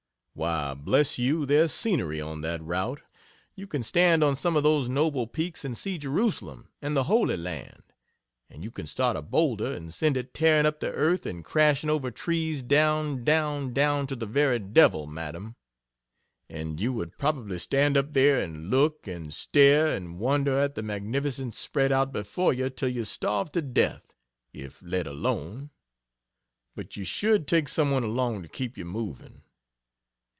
Why bless you, there's scenery on that route. You can stand on some of those noble peaks and see Jerusalem and the Holy Land. And you can start a boulder, and send it tearing up the earth and crashing over trees down down down to the very devil, Madam. And you would probably stand up there and look, and stare and wonder at the magnificence spread out before you till you starved to death, if let alone. But you should take someone along to keep you moving.